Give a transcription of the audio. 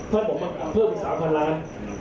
ถ้าผมมาขอเพิ่มอีก๓๐๐ล้าน